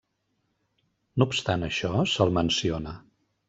No obstant això, se'l menciona.